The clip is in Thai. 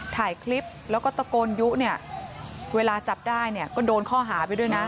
ถ่ายคลิปแล้วก็ตะโกนยุเนี่ยเวลาจับได้เนี่ยก็โดนข้อหาไปด้วยนะ